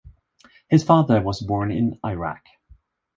His father was born in Iraq.